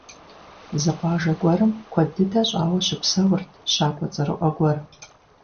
Зы къуажэ гуэрым куэд дыдэ щӀауэ щыпсэурт щакӀуэ цӀэрыӀуэ гуэр.